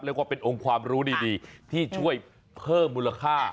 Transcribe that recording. แล้วก็เป็นองค์ความรู้ดีที่ช่วยเพิ่มมูลค่า